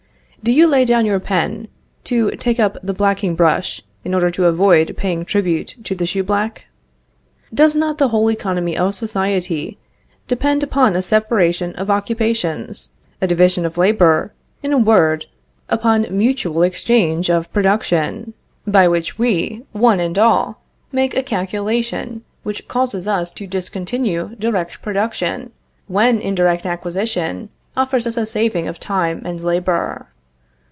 Do you lay down your pen to take up the blacking brush in order to avoid paying tribute to the shoe black? Does not the whole economy of society depend upon a separation of occupations, a division of labor, in a word, upon mutual exchange of production, by which we, one and all, make a calculation which causes us to discontinue direct production, when indirect acquisition offers us a saving of time and labor.